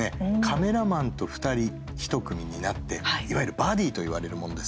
カメラマンと２人１組になっていわゆるバディーと言われるものですけれども